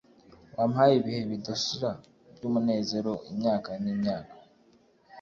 wampaye ibihe bidashira by'umunezero imyaka n'imyaka